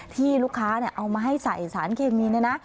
ที่ลูกค้าเอามาให้ใส่สารเคมีเนี่ยนะ